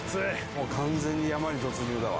もう完全に山に突入だわ。